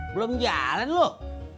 belum jalan loh